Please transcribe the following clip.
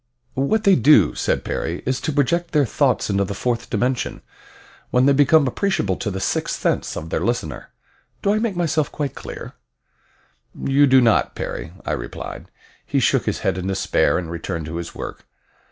"What they do," said Perry, "is to project their thoughts into the fourth dimension, when they become appreciable to the sixth sense of their listener. Do I make myself quite clear?" "You do not, Perry," I replied. He shook his head in despair, and returned to his work.